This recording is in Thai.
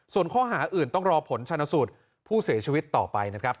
ส่วนข้อหาอื่นต้องรอผลชนสูตรผู้เสียชีวิตต่อไปนะครับ